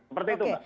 seperti itu mbak